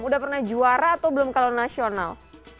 udah pernah juara atau belum kalau nasional